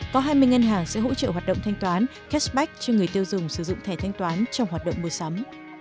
có hai mươi ngân hàng sẽ hỗ trợ hoạt động thanh toán cashback cho người tiêu dùng sử dụng thẻ thanh toán trong hoạt động mua sắm